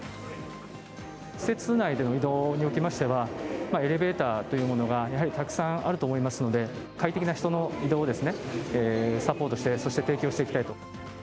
施設内での移動におきましては、エレベーターというものがやはりたくさんあると思いますので、快適な人の移動をサポートして、そして提供していきたいと。